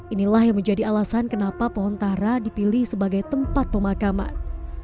inilah yang menjadi alasan kenapa pohon tara dipilih sebagai tempat pemakaman